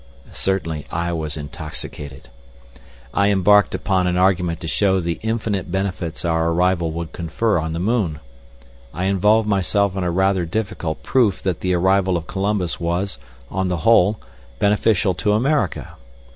Certainly I was intoxicated. I embarked upon an argument to show the infinite benefits our arrival would confer on the moon. I involved myself in a rather difficult proof that the arrival of Columbus was, on the whole, beneficial to America.